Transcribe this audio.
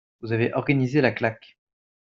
Vous avez organisé la claque